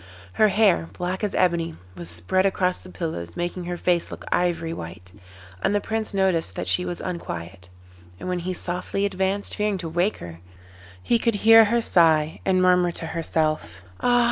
Her hair, black as ebony, was spread across the pillows, making her face look ivory white, and the Prince noticed that she was unquiet; and when he softly advanced, fearing to wake her, he could hear her sigh, and murmur to herself: 'Ah!